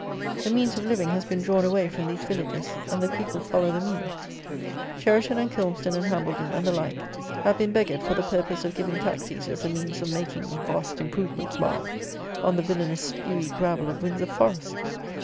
The means of living has been drawn away from these villages, and the people follow the means. Cheriton and Kilmston and Hambledon and the like have been beggared for the purpose of giving tax eaters the means of making "vast improvements, Ma'am," on the villanous spewy gravel of Windsor Forest!